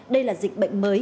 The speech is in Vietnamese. đây là dịch bệnh mới